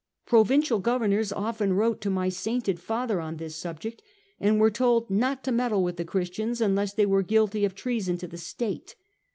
Provincial governors often wrote to my sainted father on this subject, and were told not to meddle with the Christians unless they were guilty of treason to the state.